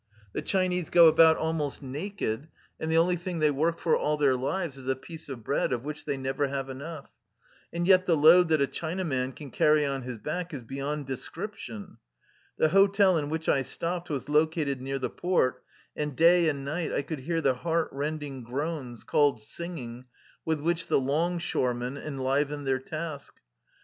The Chinese go about almost naked, and the only thing they work for all their lives is a piece of bread, of which they never have enough. And yet the load that a Chinaman can carry on his back is beyond description. The hotel in which I stopped was located near the port, and day and night I could hear the heart rending groans, called singing, with which the " longshoremen " enliven their task.